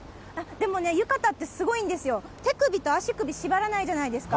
でもね、浴衣ってすごいんですよ、手首と足首縛らないじゃないですか。